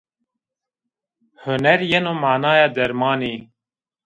Huner yeno manaya dermanî